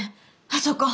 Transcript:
あそこ。